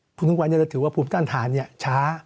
คนที่สูงวัยจะถือว่าภูมิต้านฐานช้า